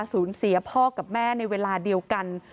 สูญเสียพ่อกับแม่ในเวลาเดียวกัน